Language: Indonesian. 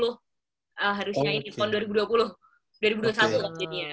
harusnya ini pon dua ribu dua puluh dua ribu dua puluh satu jadinya